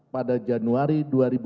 pada januari dua ribu empat belas